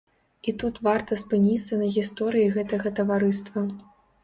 І тут варта спыніцца на гісторыі гэтага таварыства.